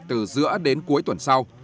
từ giữa đến cuối tuần sau